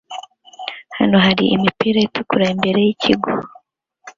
Hano hari imipira itukura imbere yikigo